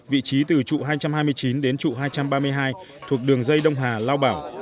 vị trí từ trụ hai trăm hai mươi chín đến trụ hai trăm ba mươi hai thuộc đường dây đông hà lao bảo